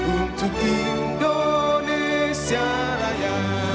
untuk indonesia raya